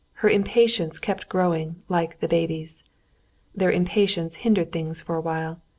Her impatience kept growing, like the baby's. Their impatience hindered things for a while.